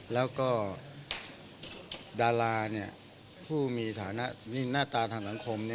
แล้วก็ดาราคือหน้าตาของเพราะว่าสังคม